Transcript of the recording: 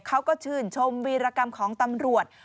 เขาก็ชื่นชมวีรกรรมของตำรวจ